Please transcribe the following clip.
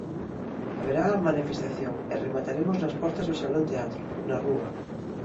Haberá a manifestación e remataremos nas portas do Salón Teatro, na rúa.